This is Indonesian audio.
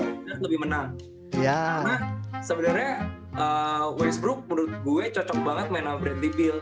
karena sebenernya westbrook menurut gue cocok banget main sama bradley bill